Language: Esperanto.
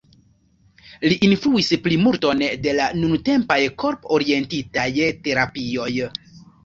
Li influis plimulton de la nuntempaj korp-orientitaj terapioj.